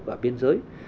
và biên giới